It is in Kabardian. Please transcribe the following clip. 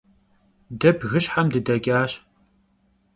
De bgışhem dıdeç'aş.